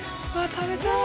食べたい